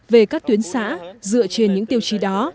về các tuyến xã dựa trên những tiêu chí đó